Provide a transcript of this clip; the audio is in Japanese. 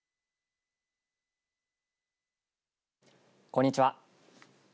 こんにちは。